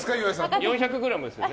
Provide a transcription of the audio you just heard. ４００ですよね？